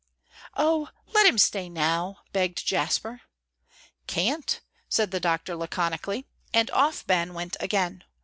"Oh, let him stay now!" begged Jasper. "Can't," said the doctor, laconically. And off Ben went again.